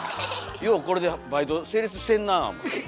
ようこれでバイト成立してんなあ思て。